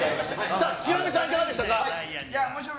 さあ、ヒロミさん、いかがでしたか。